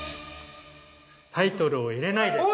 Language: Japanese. ◆タイトルを入れない、です。